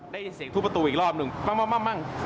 ได้ยินเสียงทุบประตูอีกรอบหนึ่งปั้ง